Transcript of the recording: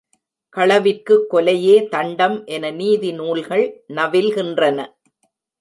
களவிற்குக் கொலையே தண்டம் என நீதி நூல்கள் நவில்கின்றன.